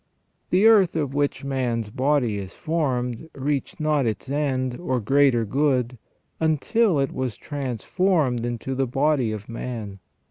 The earth of which man's body is formed reached not its end, or greater good, until it was transformed into the body of man.